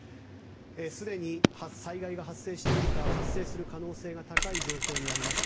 すでに災害が発生しているか発生する可能性が高い状況にあります。